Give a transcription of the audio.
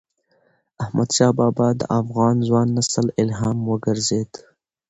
احمدشاه بابا د افغان ځوان نسل الهام وګرځيد.